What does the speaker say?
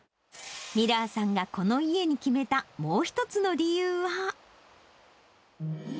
ミラーさんがこの家に決めた、もう一つの理由は。